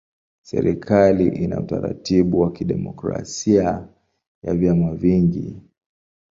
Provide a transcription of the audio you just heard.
Serikali ina utaratibu wa kidemokrasia ya vyama vingi.